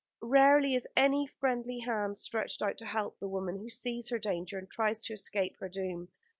Rarely is any friendly hand stretched out to help the woman who sees her danger and tries to escape her doom.